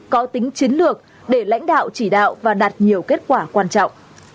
có tính chiến lược để lãnh đạo chỉ đạo và đạt nhiều kết quả quan trọng